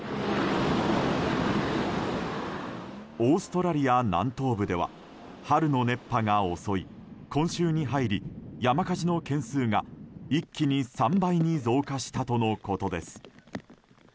オーストラリア南東部では春の熱波が襲い今週に入り山火事の件数が一気に３倍に増加したとのことです。